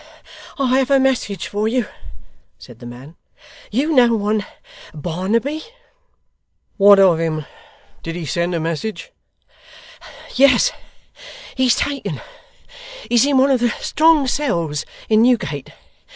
'I have a message for you,' said the man. 'You know one Barnaby.' 'What of him? Did he send the message?' 'Yes. He's taken. He's in one of the strong cells in Newgate.